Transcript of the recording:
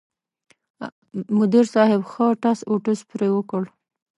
مدیر صاحب ښه ټس اوټوس پرې وکړ.